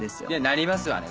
なりますわね